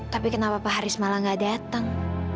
tapi kenapa pak haris malah gak datang